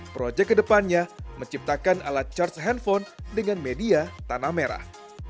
proyek kedepannya menciptakan alat charge handphone dengan media tanah merah